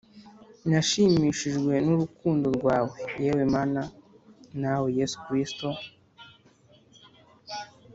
Nashimishijwe n'urukundo rwawe, Yewe Mana nawe Yesu Kristo.